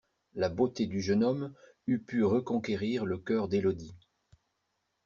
La beauté du jeune homme eût pu reconquérir le cœur d'Élodie.